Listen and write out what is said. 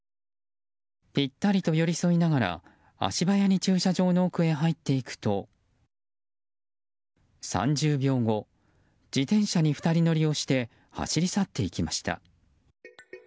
ぴったりと寄り添いながら足早に駐車場の奥へ入っていくと３０秒後自転車に２人乗りをして走り去っていきました。